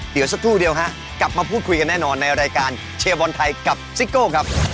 เดี๋ยวสักครู่เดียวฮะกลับมาพูดคุยกันแน่นอนในรายการเชียร์บอลไทยกับซิโก้ครับ